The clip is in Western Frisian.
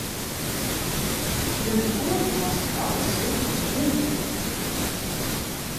De natuer in hantsje helpe is hieltyd gewoaner wurden.